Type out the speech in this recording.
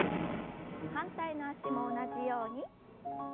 反対の脚も同じように。